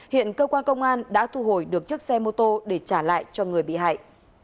hiện cơ quan công an đã thu hồi được chiếc xe mô tô để trả lại cho người bị hại